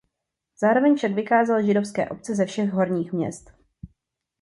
Zároveň však vykázal židovské obce ze všech horních měst.